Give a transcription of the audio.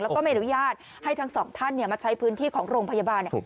แล้วก็ไม่อนุญาตให้ทั้งสองท่านมาใช้พื้นที่ของโรงพยาบาล